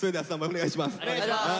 お願いします。